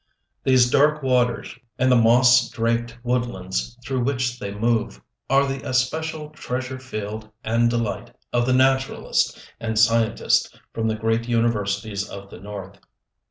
These dark waters, and the moss draped woodlands through which they move, are the especial treasure field and delight of the naturalist and scientist from the great universities of the North.